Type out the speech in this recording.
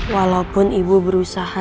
walaupun ibu berusaha